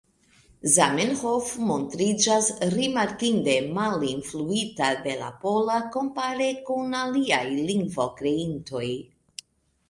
Zamenhof montriĝas rimarkinde malinfluita de la pola, kompare kun aliaj lingvokreintoj.